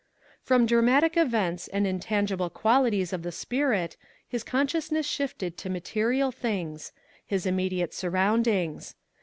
From dramatic events and intangible qualities of the spirit, his consciousness shifted to material things his immediate surroundings.